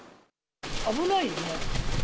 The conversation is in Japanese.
危ないよね。